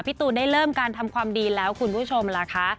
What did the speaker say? ตูนได้เริ่มการทำความดีแล้วคุณผู้ชมล่ะคะ